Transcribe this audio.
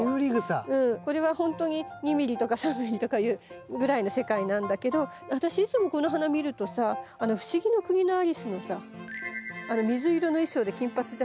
これは本当に２ミリとか３ミリとかいうぐらいの世界なんだけど私いつもこの花見るとさ「不思議の国のアリス」のさ水色の衣装で金髪じゃない？